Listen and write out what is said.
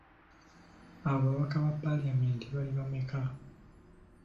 Ababaka ba paalamenti bali bameka?